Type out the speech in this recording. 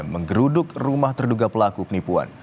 menggeruduk rumah terduga pelaku penipuan